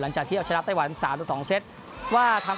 หลังจากที่เอาชนะไต้หวันทั้งสามหรือสองเซตว่าทาง